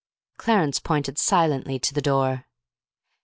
Clarence pointed silently to the door.